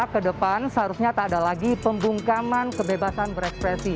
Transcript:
ke depan seharusnya tak ada lagi pembungkaman kebebasan berekspresi